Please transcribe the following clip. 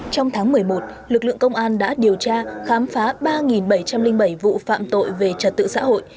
trong tháng một mươi một lực lượng công an đã điều tra khám phá ba bảy trăm linh bảy vụ phạm tội về trật tự xã hội